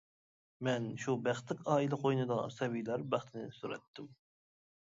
مەن شۇ بەختلىك ئائىلە قوينىدا سەبىيلەر بەختىنى سۈرەتتىم.